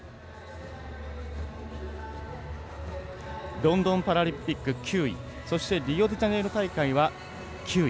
ロンドンパラリンピック９位リオデジャネイロ大会は９位